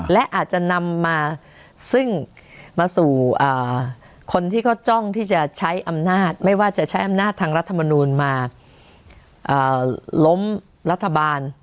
และอาจจะนำมาซึ่งมาสู่คนที่เขาจ้องที่จะใช้อำนาจไม่ว่าจะใช้อำนาจทางรัฐมนูลมาล้มรัฐบาล